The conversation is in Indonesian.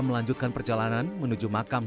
melanjutkan perjalanan menuju makam